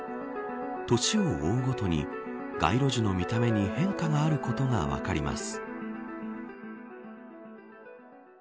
年を追うごとに街路樹の見た目に変化があることが分かります。